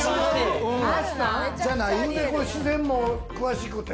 自然も詳しくて。